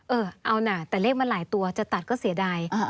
เออเอานะแต่เลขมันหลายตัวจะตัดก็เสียดาย